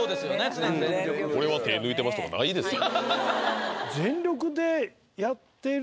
常に全力これは手ぇ抜いてますとかないですよ